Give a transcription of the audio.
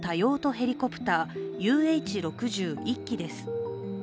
ヘリコプターＵＨ−６０、１機です。